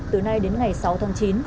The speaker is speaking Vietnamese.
từ nay đến ngày sáu tháng chín